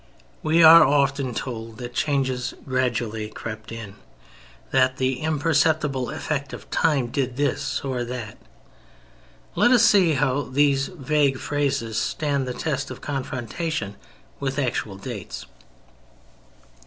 We are often told that changes "gradually crept in;" that "the imperceptible effect of time" did this or that. Let us see how these vague phrases stand the test of confrontation with actual dates.